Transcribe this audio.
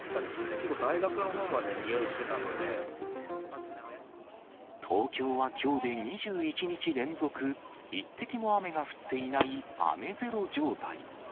結構大学のほうまで、においして東京はきょうで２１日連続、一滴も雨が降っていない雨ゼロ状態。